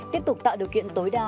tiếp tục tạo điều kiện tối đa